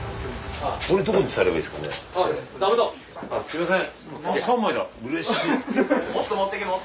すいません！